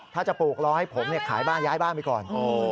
ถ้าจะปลูกรอให้ผมขายบ้านย้ายบ้านไปก่อน